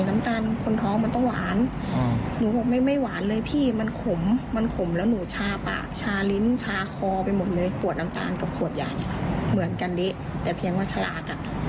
ไม่เหมือนกันนี้แต่เพียงว่าฉลาก